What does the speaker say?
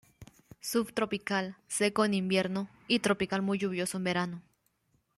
Subtropical, seco en invierno y tropical muy lluvioso en verano.